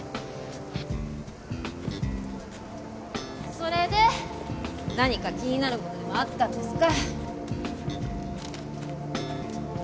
それで何か気になるものでもあったんですか？